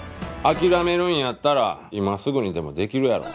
諦めるんやったら今すぐにでもできるやろ。